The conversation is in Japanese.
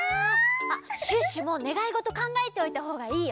あっシュッシュもねがいごとかんがえておいたほうがいいよ。